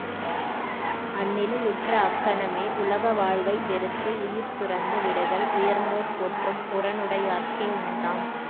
அந்நிலையுற்ற அக்கணமே, உலக வாழ்வை வெறுத்து, உயிர் துறந்து விடுதல் உயர்ந்தோர் போற்றும் உரனுடையார்க்கே உண்டாம்.